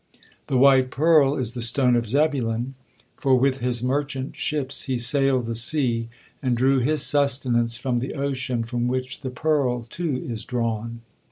The white pearl is the stone of Zebulun, for with his merchant ships he sailed the sea and drew his sustenance from the ocean from which the pearl, too, is drawn.